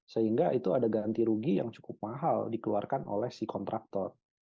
sehingga itu ada ganti rugi yang cukup mahal dikeluarkan oleh si kontraktor